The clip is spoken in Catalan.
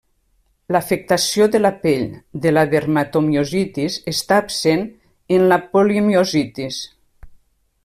L'afectació de la pell de la dermatomiositis està absent en la polimiositis.